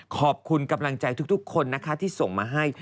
ขอบคุณกำลังใจทุกคนนะคะที่ส่งมาให้